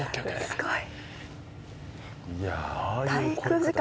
すごい！